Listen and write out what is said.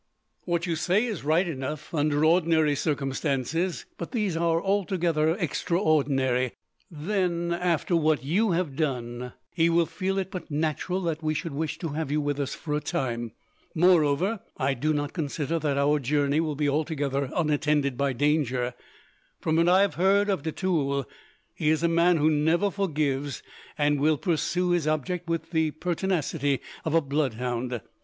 "What you say is right enough, under ordinary circumstances, but these are altogether extraordinary. Then, after what you have done, he will feel it but natural that we should wish to have you with us for a time. Moreover, I do not consider that our journey will be altogether unattended by danger. From what I have heard of de Tulle, he is a man who never forgives, and will pursue his object with the pertinacity of a bloodhound.